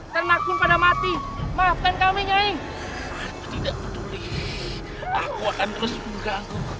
termakun pada mati maafkan kami nyai tidak peduli aku akan terus mengganggu